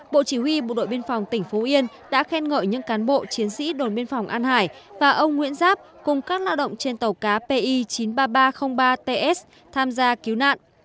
bộ chỉ huy bộ đội biên phòng tỉnh phú yên đã khen ngợi những cán bộ chiến sĩ đồn biên phòng an hải và ông nguyễn giáp cùng các lao động trên tàu cá pi chín mươi ba nghìn ba trăm linh ba ts tham gia cứu nạn